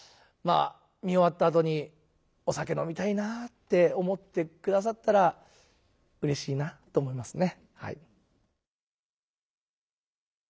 あ見終わったあとに「お酒飲みたいな」って思ってくださったらうれしいなと思いますね。